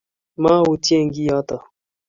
moyutyen kiyoto.